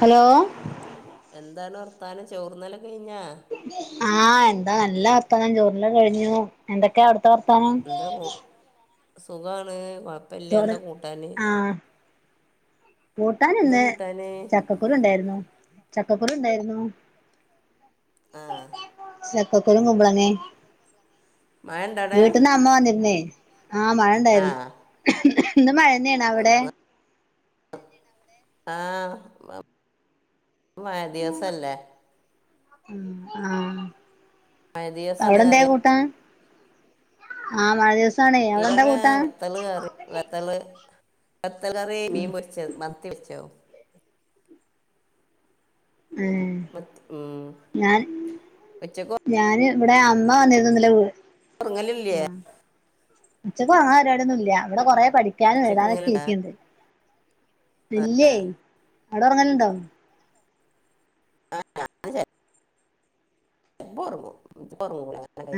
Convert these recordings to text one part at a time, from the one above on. Hello എന്താണ് വർത്താനം ചോർന്നിലക്കൊ കഴിഞ്ഞാ ആഹ് എന്താ നല്ല വർത്താനം ചോറിണ്ണലൊക്കെ കഴിഞ്ഞു എന്തൊക്കയ അവിടു ത്ത വർത്താനം എന്താ ഓഹ് സുഖാണ് കൊഴപ്പില്ല ചോറ് എന്താ കൂട്ടാന് ആഹ് കൂട്ടാൻ എന്താ ഇന്ന് കൂട്ടാന് ചക്കക്കുരു ഉണ്ടാരുന്നു ചക്കക്കുരു ഉണ്ടാരുന്നു ആഹ് ചക്കക്കരും കുമ്പളങ്ങെം മഴണ്ടോടെ വീട്ടിന്ന് അമ്മ വന്നിരുന്നേ ആഹ് മഴ ഇണ്ടാര്ന്ന് ആഹ് ഇന്ന് മഴന്നെയാണ് അവിടെ ആഹ് മ മഴദിവസല്ലേ ഉം ആഹ് മഴ ദിവസാണ് അവിടെന്തെ അറിയ കൂട്ടാൻ ആഹ് മഴ ദിവസ ഇവടെ വെത്തള് കേറി വെത്തള് വെത്തൽ കറി മീമ്പൊരിച്ചത് മത്തി പൊരിച്ചത് ഏഹ് മത്തി ഉം ഞാൻ ഉച്ചക്ക് ഞാന് ഇവടെ അമ്മ വന്നിരുന്നു ഇന്നലെ വീ ഉറങ്ങലില്ലേ ഉച്ചക്ക് ആൾഅങ്ങന പരാടിയൊന്നും ഇല്ല്യ ഇവിടെ കൊറേ പഠിക്കാനും ഉച്ചക്ക് എഴുതാനൊക്കെ ഉറങ്ങലുണ്ടാ ഇരിക്കണ്ട് ഇല്ല്യേ ആഹ് ആടെ ഒറങ്ങലുണ്ടോ ആഹ്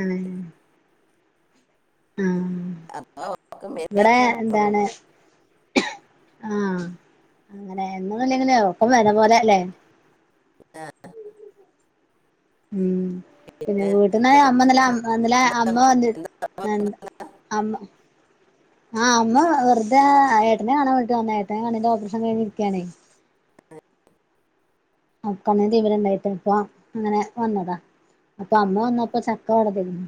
ആണ് ആഹ് അപ്പം ഒറക്കം ഇവിടെ വരാന്ന [inaudible] എന്താണ് ആഹ് അങ്ങനെ എന്നൂല്ലങ്കില് ഒറക്കം വരണപോലെ ല്ലേ ആ ഉം പിന്നെ വീട്ടിന്നായ എന്തൊക്കെ അമ്മന്ന വിശേഷം? വന്നില്ല അമ്മ വന്ന് എന്താ [unintelligible] അമ്മ ആഹ് അമ്മ വെറുതെ ഏട്ടനെ കാണാ വേണിട്ട് വന്ന ഏട്ടന്റ കണ്ണിന്റ ഓപ്പറേഷൻ കഴിഞ്ഞിരിക്കാണേ ആഹ് കണ്ണിന് തിമിരണ്ടായിട്ട് അപ്പ അങ്ങനെ വന്നതാ അപ്പം അമ്മ വന്നപ്പ ചക്ക ഇവടെ തരുന്നു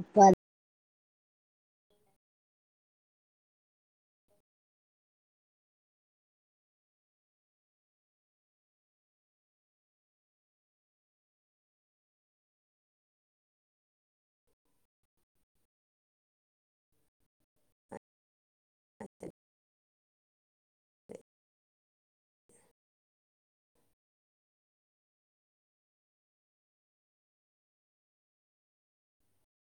അപ്പ അ